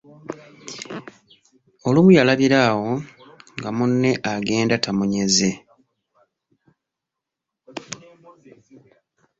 Olumu yalabira awo nga munne agenda tamunyeze.